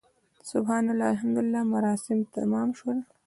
سبحان الله، الحمدلله مراسم تمام شول.